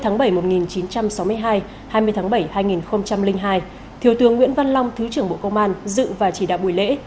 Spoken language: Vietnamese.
hai tháng bảy một nghìn chín trăm sáu mươi hai hai mươi tháng bảy hai nghìn hai thiếu tướng nguyễn văn long thứ trưởng bộ công an dự và chỉ đạo buổi lễ